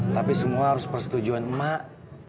tapi semua harus persetujuan emak